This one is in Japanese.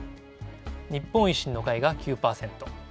日本維新の会が９％。